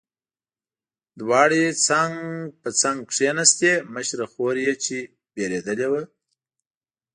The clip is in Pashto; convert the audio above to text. دواړې څنګ په څنګ کېناستې، مشره خور یې چې وېرېدلې وه.